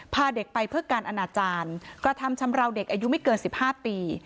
พาเด็กไปเพื่อการอนาจารย์กระทำชำราวเด็กอายุไม่เกิน๑๕ปี